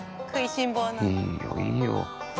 いいよいいよ。